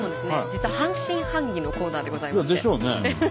実は半信半疑のコーナーでございまして。でしょうね。